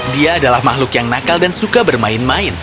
dia adalah makhluk yang nakal dan suka bermain main